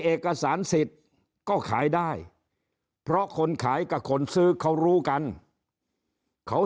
เอกสารสิทธิ์ก็ขายได้เพราะคนขายกับคนซื้อเขารู้กันเขา